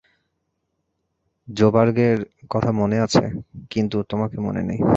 জোবার্গের কথা মনে আছে, কিন্তু তোমাকে মনে নেই।